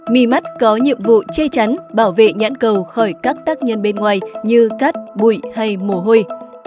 mì mắt có nhiệm vụ chê chắn bảo vệ nhãn cầu khỏi các tác nhân bên ngoài như cát bụi hay mồ hôi